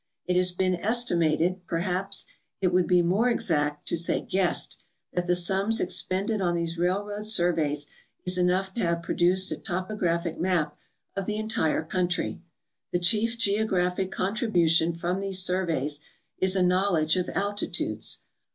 It has been estimated, perhaps it would be more exact to say guessed, that the sums expended on these railroad surveys is enough to have produced a topographic map of the entire country. The chief geographic contribution from these surveys is a knowledge of altitudes.